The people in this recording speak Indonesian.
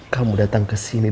kamu datang kesini